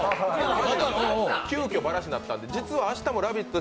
急きょばらしになったんで、実は明日も「ラヴィット！」